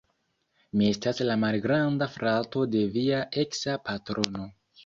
Mi estas la malgranda frato de via eksa patrono